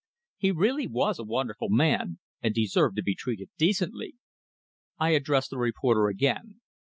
He really was a wonderful man, and deserved to be treated decently. I addressed the reporter again.